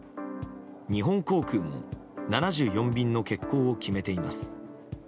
日本航空も７４便の欠航を決めています。